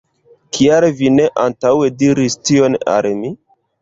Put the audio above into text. Kial vi ne antaŭe diris tion al mi?